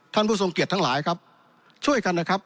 ท่านผู้ทรงเกียจทั้งหลายครับช่วยกันนะครับ